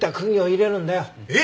えっ？